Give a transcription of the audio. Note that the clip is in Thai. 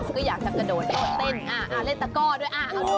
ก็อยากจะโดนสกติเต้นเล่นตะกร้อด้วย